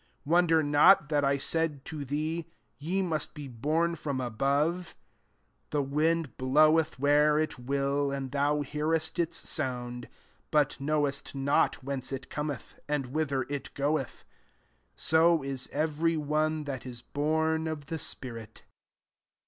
7 Wonder not that I said to thee. Ye must be born from above. 8 The wind bloweth where it will, and thou hearest its sound, but knowest not whence it cometh, and whither it goeth: so is every one that is born of the spirit."